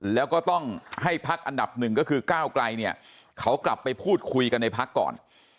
แล้วก็ต้องให้พักอันดับหนึ่งก็คือก้าวไกลเนี่ยเขากลับไปพูดคุยกันในพักก่อน